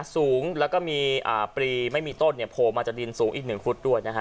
สูงและมีปลีไม่มีต้นโผล่มาจากดินสูงอีก๑ฟุต